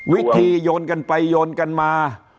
โยนกันไปโยนกันมา